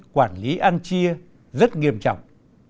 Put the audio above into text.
quản lý ăn chia rất nghiêm trọng